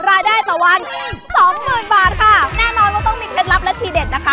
รายได้จำวันบาทค่ะแน่นอนว่าต้องมีเครือรับและทีเด็ดนะคะ